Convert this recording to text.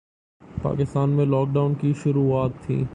پاکستان میں lockdown کی شروعات تھیں